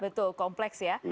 betul kompleks ya